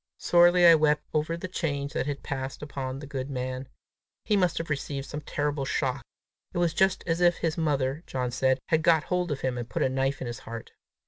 Sorely I wept over the change that had passed upon the good man. He must have received some terrible shock! It was just as if his mother, John said, had got hold of him, and put a knife in his heart!